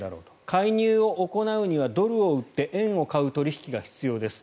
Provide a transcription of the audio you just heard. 介入を行うにはドルを売って円を買う取引が必要です